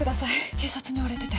警察に追われてて。